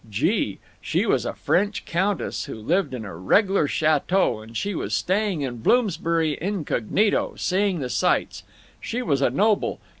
Gee! She was a French countess, who lived in a reg'lar chateau, and she was staying in Bloomsbury incognito, seeing the sights. She was a noble.